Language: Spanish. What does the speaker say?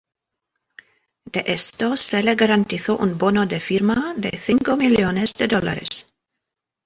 De esto, se le garantizó un bono de firma de cinco millones de dólares.